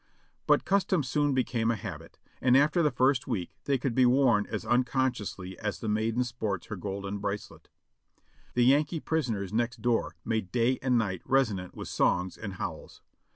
But custom soon became a habit ; and after the first week they could be worn as unconsciously as the maiden sports her golden bracelet. The Yankee prisoners next door made day and night resonant with songs and howls.